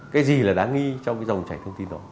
cái gì là đáng nghi trong cái dòng chảy thông tin đó